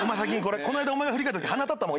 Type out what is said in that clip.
この間お前が振り返った時鼻当たったもん。